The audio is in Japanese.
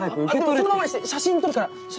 そのままにして写真撮るから。